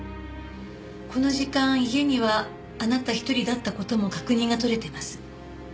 この時間家にはあなた一人だった事も確認が取れてます。